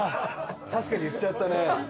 確かに言っちゃったね。